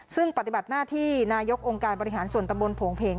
ซึ่งปฏิบัติหน้าที่นายกองค์การบริหารส่วนตำบลโผงเพง